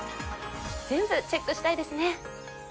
全部チェックしたいですね